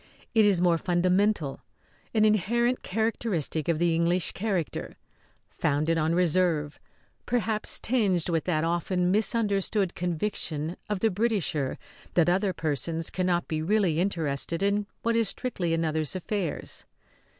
It is more fundamental, an inherent characteristic of the English character, founded on reserve perhaps tinged with that often misunderstood conviction of the Britisher that other persons cannot be really interested in what is strictly another's affairs.